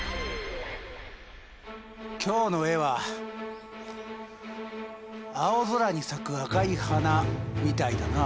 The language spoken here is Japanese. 今日の絵は「青空に咲く赤い花」みたいだな。